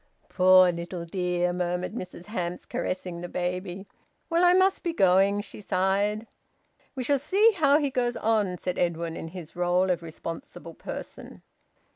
"Poor little dear!" murmured Mrs Hamps, caressing the baby. "Well, I must be going," she sighed. "We shall see how he goes on," said Edwin, in his role of responsible person.